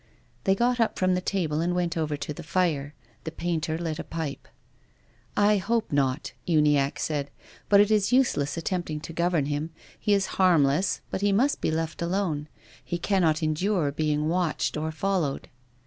They got up from the table and went over to the fire. The painter lit a pipe. " I hope not," Uniacke said, " but it is useless attempting to govern him. He is harmless, but he must be left alone. He cannot endure being watched or followed."